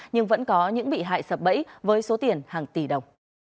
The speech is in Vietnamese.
nhưng vẫn có những bị hại sập bẫy với số tiền hàng tỷ đồng